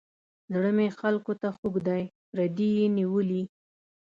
زړه مې خلکو ته خوږ دی پردي یې نیولي.